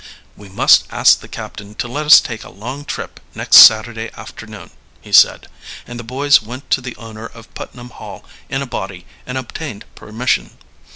"We must ask the captain to let us take a long trip next Saturday afternoon," he said; and the boys went to the owner of Putnam Hall in a body and obtained permission.